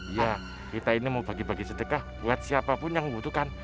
iya kita ini mau bagi bagi sedekah buat siapapun yang membutuhkan